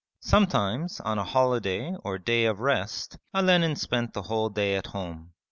Sometimes on a holiday or day of rest Olenin spent the whole day at home.